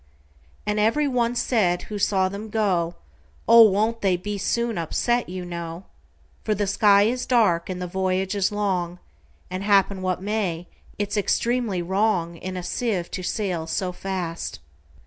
And every one said who saw them go,"Oh! won't they be soon upset, you know:For the sky is dark, and the voyage is long; And, happen what may, it 's extremely wrongIn a sieve to sail so fast."